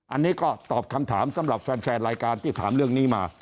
อันนี้ก็ตอบคำถามสำหรับแฟนรายการที่ถามเรื่องนี้มา